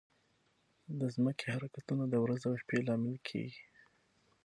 د ځمکې حرکتونه د ورځ او شپه لامل کېږي.